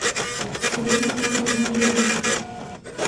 СИРЕНЬ ПЕЛЕДМЕ ГОДЫМ